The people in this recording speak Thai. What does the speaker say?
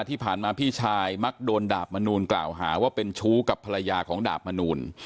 ที่ผ่านมาพี่ชายมักโดนดาบมนูลกล่าวหาว่าเป็นชู้กับภรรยาของดาบมนูล